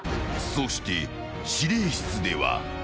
そして、指令室では。